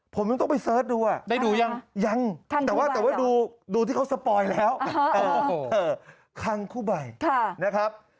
ผมยังต้องไปเสิร์ชดูได้ดูยังยังแต่ว่าดูที่เขาสปอยแล้วคังคู่ใบนะครับ